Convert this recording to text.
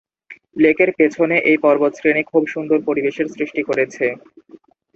লেকের পেছনে এই পর্বতশ্রেণী খুব সুন্দর পরিবেশের সৃষ্টি করেছে।